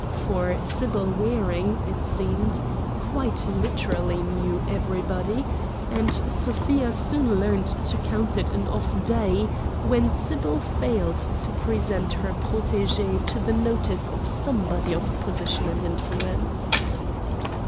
For Sybil Waring, it seemed, quite literally "knew everybody"; and Sofia soon learned to count it an off day when Sybil failed to present her protégée to the notice of somebody of position and influence.